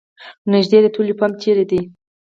نیږدې د تیلو پمپ چېرته ده؟